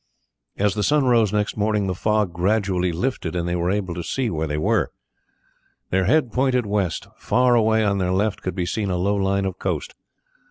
As the sun rose next morning the fog gradually lifted, and they were able to see where they were. Their head pointed west; far away on their left could be seen a low line of coast.